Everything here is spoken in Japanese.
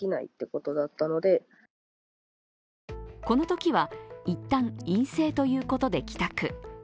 このときはいったん、陰性ということで帰宅。